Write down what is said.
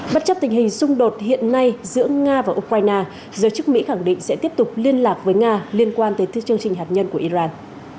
bất chấp tình hình xung đột hiện nay giữa nga và ukraine giới chức mỹ khẳng định sẽ tiếp tục liên lạc với nga liên quan tới chương trình hạt nhân của iran